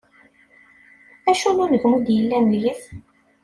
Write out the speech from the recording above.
Acu n unegmu i d-yellan deg-s?